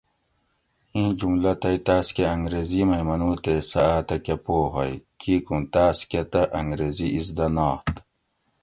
اِیں جُملہ تئ تاۤس کۤہ انگریزی مئ منُو تے سۤہ آۤتہ کۤہ پوہ ہوئ، کیکوں تاۤس کۤہ تہ انگریزی اِزدہ نات۔